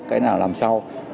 cái nào làm sau